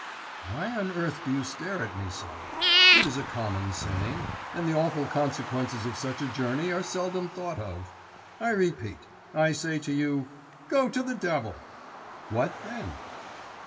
Why on earth do you stare at me so? It is a common saying, and the awful consequences of such a journey are seldom thought of. I repeat, I say to you, 'Go to the devil!' What, then?"